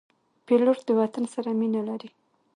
پیلوټ د وطن سره مینه لري.